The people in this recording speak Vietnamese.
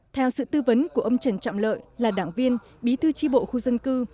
theo sự tư vấn của ông trần trọng lợi là đảng viên bí thư tri bộ khu dân cư